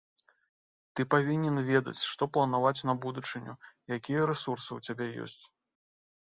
Ты павінен ведаць, што планаваць на будучыню, якія рэсурсы ў цябе ёсць.